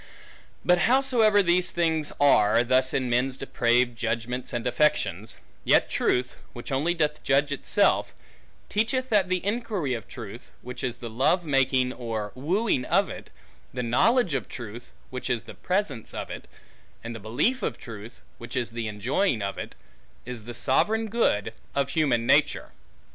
But howsoever these things are thus in men's depraved judgments, and affections, yet truth, which only doth judge itself, teacheth that the inquiry of truth, which is the love making, or wooing of it, the knowledge of truth, which is the presence of it, and the belief of truth, which is the enjoying of it, is the sovereign good of human nature.